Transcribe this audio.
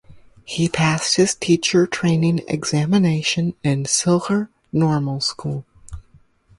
He passed his teacher training examination in Silchar Normal School.